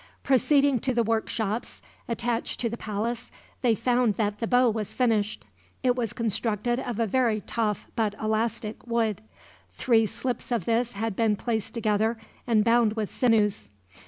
Proceeding to the workshops attached to the palace, they found that the bow was finished. It was constructed of a very tough, but elastic, wood. Three slips of this had been placed together and bound with sinews.